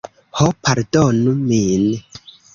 Ho, pardonu min.